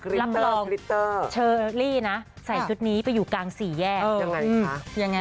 รำลองเชอร์ลี่นะใส่ชุดนี้ไปอยู่กลางสีแย่เอออย่างไรคะ